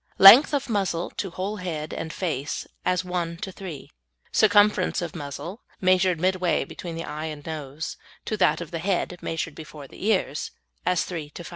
Length of muzzle to whole head and face as 1 to 3. Circumference of muzzle (measured midway between the eyes and nose) to that of the head (measured before the ears) as 3 to 5.